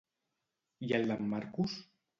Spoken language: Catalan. I el d'en Marcus?